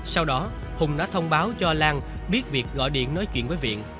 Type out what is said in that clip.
sau đó hùng đã thông báo cho lan biết việc gọi điện nói chuyện với viện